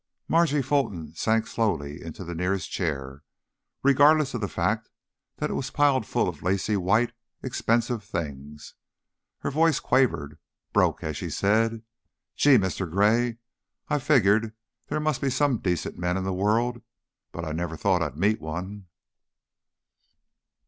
Margie Fulton sank slowly into the nearest chair, regardless of the fact that it was piled full of lacy, white, expensive things; her voice quavered, broke, as she said: "Gee, Mr. Gray! I figured there must be some decent men in the world, but I never thought I'd meet one."